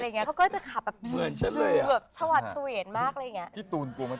เขาก็จะขับเหมือนชาวชาเวียนมาก